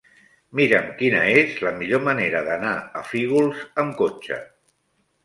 Mira'm quina és la millor manera d'anar a Fígols amb cotxe.